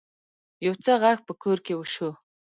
يو څه غږ په کور کې شو.